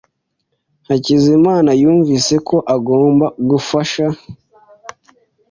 Hakizimana yumvise ko agomba gufasha.